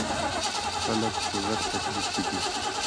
خلک په غټ تکليف کښې دے ـ